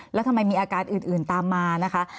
แล้วทำไมมีอาการอื่นตามมานะคะ